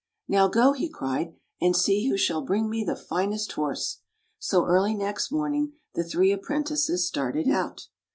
"Now go,'' he' cried, " and see who shall bring me the finest horse! " So early next morning the three appren tices started out.